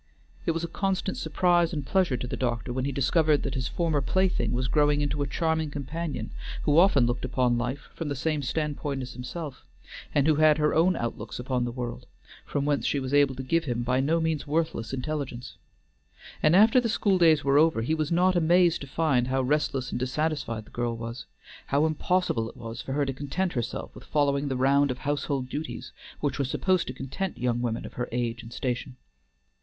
It was a constant surprise and pleasure to the doctor when he discovered that his former plaything was growing into a charming companion who often looked upon life from the same standpoint as himself, and who had her own outlooks upon the world, from whence she was able to give him by no means worthless intelligence; and after the school days were over he was not amazed to find how restless and dissatisfied the girl was; how impossible it was for her to content herself with following the round of household duties which were supposed to content young women of her age and station.